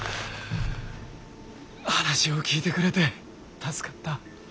話を聞いてくれて助かった。